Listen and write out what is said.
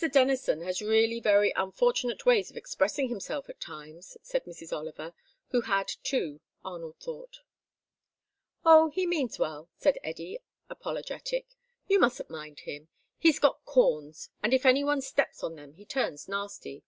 Denison has really very unfortunate ways of expressing himself at times," said Mrs. Oliver, who had too, Arnold thought. "Oh, he means well," said Eddy apologetic. "You mustn't mind him. He's got corns, and if anyone steps on them he turns nasty.